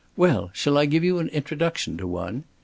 "Well, shall I give you an introduction to one?"